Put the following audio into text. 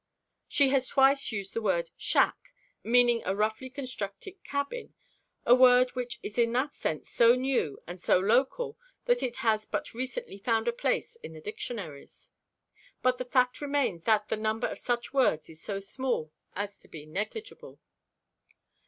(She has twice used the word "shack," meaning a roughly constructed cabin, a word which is in that sense so new and so local that it has but recently found a place in the dictionaries.) But the fact remains that the number of such words is so small as to be negligible.